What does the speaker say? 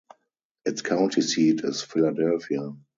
Its county seat is Philadelphia.